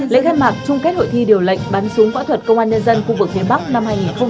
lễ khai mạc chung kết hội thi điều lệnh bắn súng võ thuật công an nhân dân khu vực phía bắc năm hai nghìn hai mươi ba